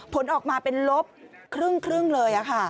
ผลออกมาเป็นลบครึ่งเลย